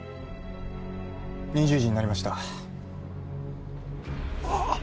２０時になりましたあっ